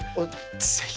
是非。